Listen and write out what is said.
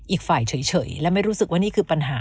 อีกฝ่ายเฉยและไม่รู้สึกว่านี่คือปัญหา